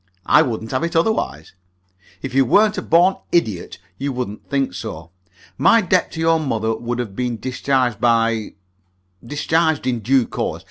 I wouldn't have it otherwise. If you weren't a born idiot you wouldn't think so. My debt to your mother would have been discharged by discharged in due course.